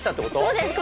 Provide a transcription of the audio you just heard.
そうです